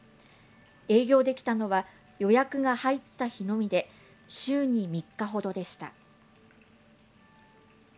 営業できたのは予約が入った日のみで週に３日ほどでした。